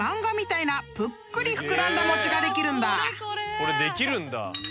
これできるんだ。